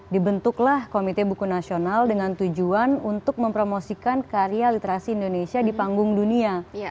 dibentuklah komite buku nasional dengan tujuan untuk mempromosikan karya literasi indonesia di panggung dunia